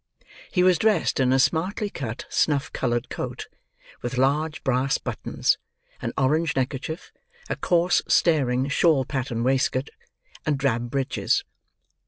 He was dressed in a smartly cut snuff coloured coat, with large brass buttons; an orange neckerchief; a coarse, staring, shawl pattern waistcoat; and drab breeches.